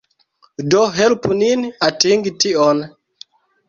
Do helpu nin atingi tion